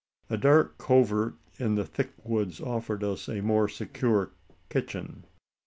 A dark covert in the thick woods offered us a more secure kitchen.